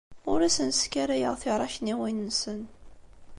Ur asen-sskarayeɣ tiṛakniwin-nsen.